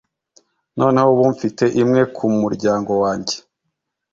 noneho ubu mfite imwe ku muryango wanjye